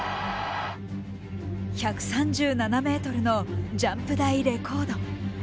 １３７ｍのジャンプ台レコード。